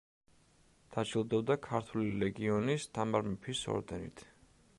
დაჯილდოვდა ქართული ლეგიონის თამარ მეფის ორდენით.